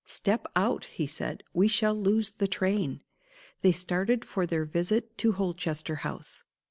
"Step out!" he said. "We shall lose the train." They started for their visit to Holchester House.